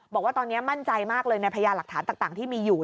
บอกว่าตอนนี้มั่นใจมากเลยในพญาหลักฐานต่างที่มีอยู่